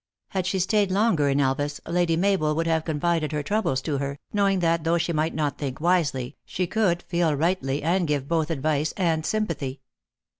Had she staid longer in Elvas, Lady Mabel 17 894 THE ACTRESS IN HIGH LIFE. would have confided her troubles to her, knowing that, though she might not think wisely, she could feel rightly, and give both advice and sympathy.